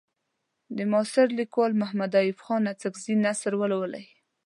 د معاصر لیکوال محمد ایوب خان اڅکزي نثر ولولئ.